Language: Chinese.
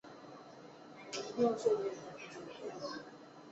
阮朝之前一般只有妃嫔出身的帝母尊为皇太妃。